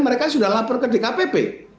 mereka sudah lapor ke dkpp